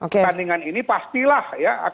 pertandingan ini pastilah